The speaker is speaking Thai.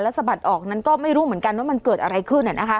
สะบัดออกนั้นก็ไม่รู้เหมือนกันว่ามันเกิดอะไรขึ้น